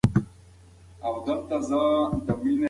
سېرټونین د احساساتي غبرګونونو د توازن ساتلو کې مرسته کوي.